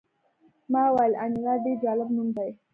ما وویل انیلا ډېر جالب نوم دی